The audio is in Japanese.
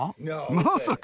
まさか！